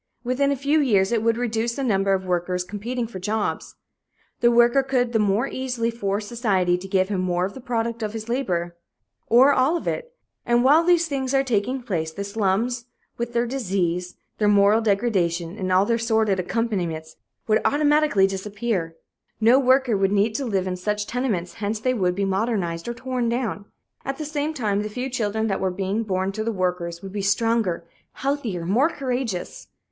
Within a few years it would reduce the number of workers competing for jobs. The worker could the more easily force society to give him more of the product of his labor or all of it. And while these things are taking place, the slums, with their disease, their moral degradation and all their sordid accompaniments, would automatically disappear. No worker would need to live in such tenements hence they would be modernized or torn down. At the same time, the few children that were being born to the workers would be stronger, healthier, more courageous.